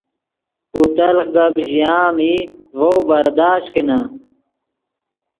کو تلخ گپ ژیا ام ای ڤؤ برداشت کینے